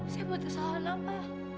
saya buat kesalahan apa